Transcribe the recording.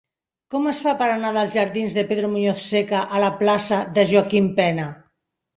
Com es fa per anar dels jardins de Pedro Muñoz Seca a la plaça de Joaquim Pena?